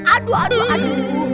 aduh aduh aduh